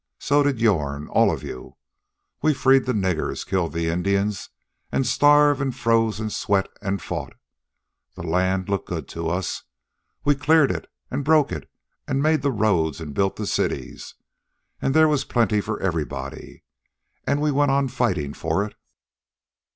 So did yourn, all of you. We freed the niggers, killed the Indians, an starved, an' froze, an' sweat, an' fought. This land looked good to us. We cleared it, an' broke it, an' made the roads, an' built the cities. And there was plenty for everybody. And we went on fightin' for it.